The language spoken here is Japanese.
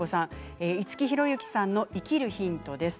五木寛之さんの「生きるヒント」です。